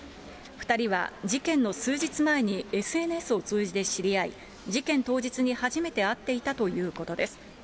２人は事件の数日前にＳＮＳを通じて知り合い、事件当日に初めて会っていたということです。